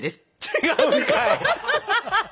違うんかい！